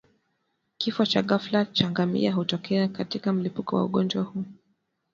Kifo cha ghafla cha ngamia hutokea katika mlipuko wa ugonjwa huu